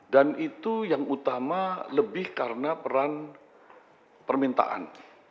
dan itu yang utama lebih karena peran permintaan